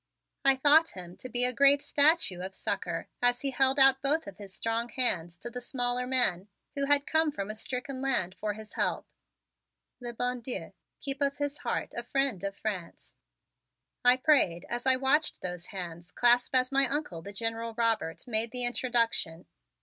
I thought him to be a great statue of Succor as he held out both of his strong hands to the smaller man who had come from a stricken land for his help. "Le bon Dieu keep of his heart a friend of France," I prayed as I watched those hands clasp as my Uncle, the General Robert, made the introduction.